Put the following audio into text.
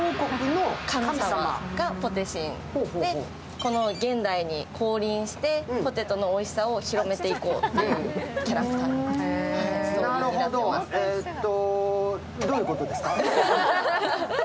この現代に降臨してポテトのおいしさを広めていこうというキャラクターとなってます。